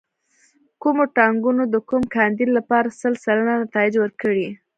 کومو ټاکنو د کوم کاندید لپاره سل سلنه نتایج ورکړي.